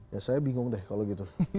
ya saya bingung deh kalau gitu